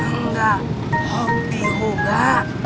kamu enggak kopi juga